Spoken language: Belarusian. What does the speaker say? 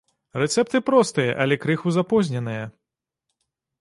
Рэцэпты простыя, але крыху запозненыя.